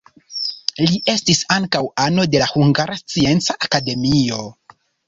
Li estis ankaŭ ano de la Hungara Scienca Akademio.